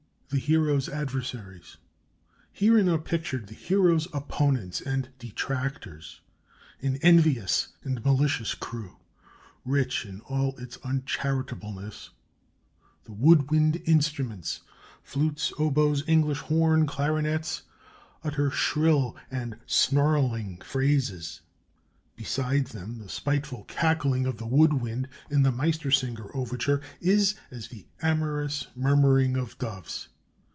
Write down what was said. THE HERO'S ADVERSARIES Herein are pictured the Hero's opponents and detractors an envious and malicious crew, rich in all uncharitableness. The wood wind instruments flutes, oboes, English horn, clarinets utter shrill and snarling phrases: beside them, the spiteful cackling of the wood wind in the "Meistersinger" overture is as the amorous murmuring of doves.